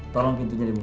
tolong pintunya dibuka